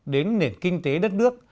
đến nền kinh tế đất nước